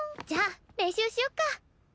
じゃあ練習しよっか。